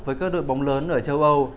với các đội bóng lớn ở châu âu